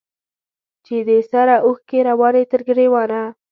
چي دي سرې اوښکي رواني تر ګرېوانه